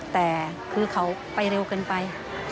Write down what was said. แต่คือเขาไปเร็วเกินไป